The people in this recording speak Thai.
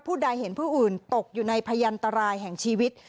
ใดเห็นผู้อื่นตกอยู่ในพยันตรายแห่งชีวิต